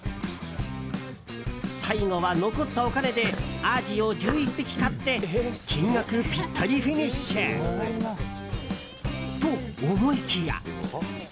最後は残ったお金でアジを１１匹買って金額ぴったりフィニッシュ！と思いきや。